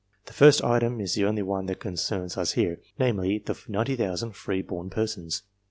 The first item is the only one that concerns us here, namely, the 90,000 free born persons.